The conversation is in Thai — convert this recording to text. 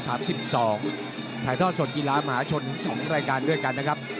ถ่ายทอดสดกีฬามหาชนถึง๒รายการด้วยกันนะครับ